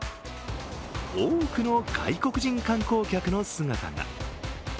多くの外国人観光客の姿が。